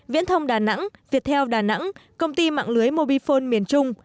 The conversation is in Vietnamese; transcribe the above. viễn thông đà nẵng viettel đà nẵng công ty mạng lưới mobifone miền trung